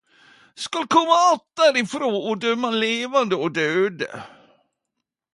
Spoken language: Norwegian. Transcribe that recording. skal koma att derifrå og døma levande og døde.